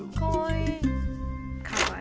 かわいい！